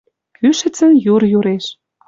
Кӱшӹцӹн юр юреш